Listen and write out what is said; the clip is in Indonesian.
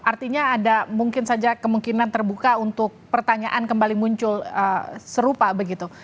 artinya ada mungkin saja kemungkinan terbuka untuk pertanyaan kembali muncul serupa begitu